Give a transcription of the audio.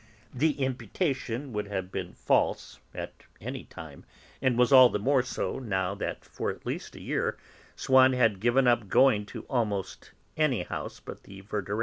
The imputation would have been false at any time, and was all the more so, now that for at least a year Swann had given up going to almost any house but the Verdurins'.